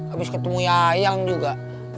abis ketemu yayang juga